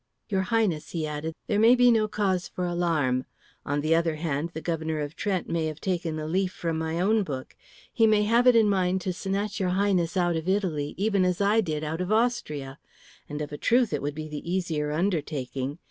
"Your Highness," he added, "there may be no cause for any alarm. On the other hand, the Governor of Trent may have taken a leaf from my own book. He may have it in mind to snatch your Highness out of Italy even as I did out of Austria; and of a truth it would be the easier undertaking.